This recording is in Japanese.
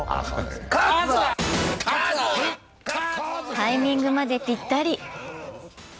タイミングまでぴったり。